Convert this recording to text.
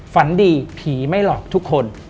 ฝันดีผีไม่หลอกทุกคน